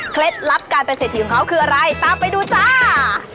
ลับการเป็นเศรษฐีของเขาคืออะไรตามไปดูจ้า